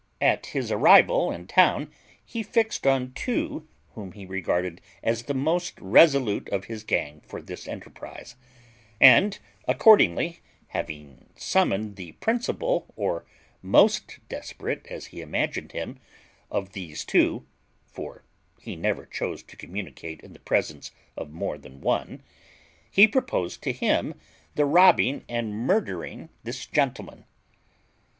At his arrival in town he fixed on two whom he regarded as the most resolute of his gang for this enterprise; and, accordingly, having summoned the principal, or most desperate, as he imagined him, of these two (for he never chose to communicate in the presence of more than one), he proposed to him the robbing and murdering this gentleman.